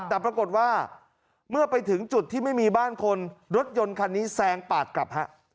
แต่ปรากฏว่าเมื่อไปถึงจุดที่ไม่มีบ้านคนรถยนต์คันนี้แซงปาดกลับฮะ